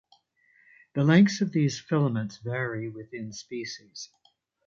The lengths of these filaments vary within species.